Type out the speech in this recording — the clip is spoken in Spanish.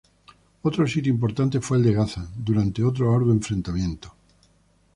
Otro sitio importante fue el de Gaza durante otro arduo enfrentamiento.